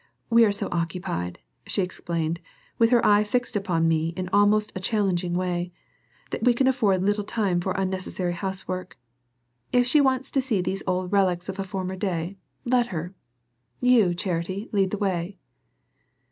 We are so occupied," she explained, with her eye fixed upon me in almost a challenging way, "that we can afford little time for unnecessary housework. If she wants to see these old relics of a former day, let her. You, Charity, lead the way."